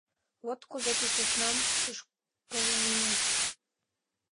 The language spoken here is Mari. Вот кузе, ту сӧснам шӱшкылыныт!